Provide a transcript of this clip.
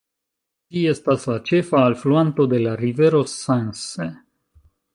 Ĝi estas la ĉefa alfluanto de la rivero Sense.